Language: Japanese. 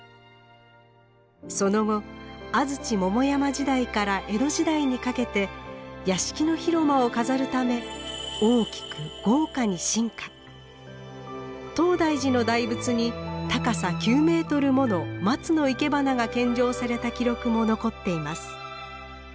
その後安土桃山時代から江戸時代にかけて屋敷の広間を飾るため東大寺の大仏に高さ９メートルもの松のいけばなが献上された記録も残っています。